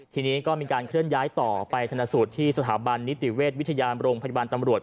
ทีนี้ก็มีการเคลื่อนย้ายต่อไปธนสูตรที่สถาบันนิติเวชวิทยาโรงพยาบาลตำรวจ